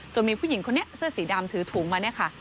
จนมีผู้หญิงคนนี้เสื้อสีดำถือถุงมา